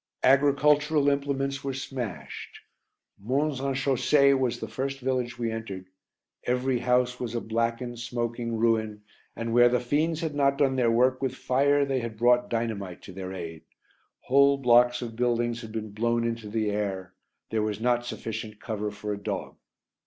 Agricultural implements were smashed. Mons en Chaussée was the first village we entered; every house was a blackened smoking ruin, and where the fiends had not done their work with fire they had brought dynamite to their aid; whole blocks of buildings had been blown into the air; there was not sufficient cover for a dog.